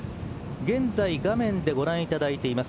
現在画面でご覧いただいています